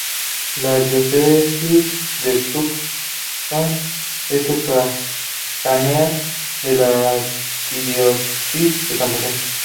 La Diócesis de Tucson es sufragánea de la Arquidiócesis de Santa Fe.